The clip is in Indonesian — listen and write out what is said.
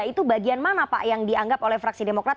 itu bagian mana pak yang dianggap oleh fraksi demokrat